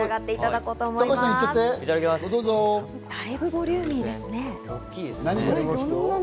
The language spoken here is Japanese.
だいぶボリューミーですね。